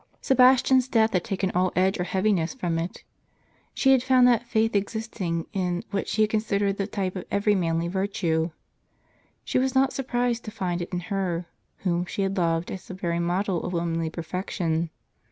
Sebas tian's death had taken all edge or heaviness from it. She had found that faith existing in what she had considered the type of every manly virtue ; she was not surprised to find it in her, whom she had loved as the very model of womanly perfection.